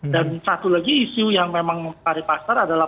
dan satu lagi isu yang memang memperkaripasar adalah